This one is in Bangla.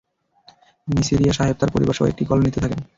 নিসিরিয়া সাহেব তার পরিবারসহ একটি কলোনিতে থাকেন।